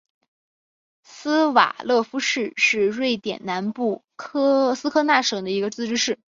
斯瓦勒夫市是瑞典南部斯科讷省的一个自治市。